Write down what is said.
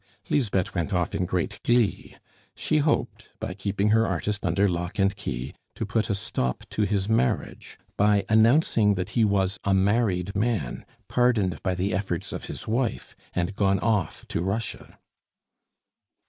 Lisbeth went off in great glee; she hoped, by keeping her artist under lock and key, to put a stop to his marriage by announcing that he was a married man, pardoned by the efforts of his wife, and gone off to Russia.